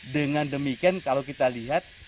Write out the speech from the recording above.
dengan demikian kalau kita lihat